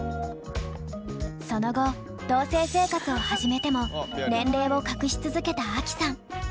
その後同棲生活を始めても年齢を隠し続けたアキさん。